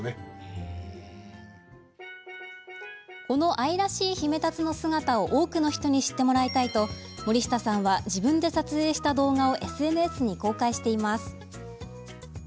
この愛らしいヒメタツの姿を多くの人に知ってもらいたいと森下さんは自分で撮影した動画をＳＮＳに公開しています。